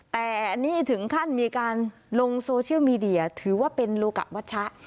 แต่นี่ถึงขั้นมีการลงโซเชียลมีเดียถือว่าเป็นโลกะวัชชะ